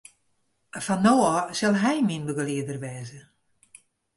Fan no ôf sil hy myn begelieder wêze.